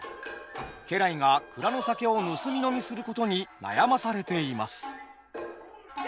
家来が蔵の酒を盗み飲みすることに悩まされています。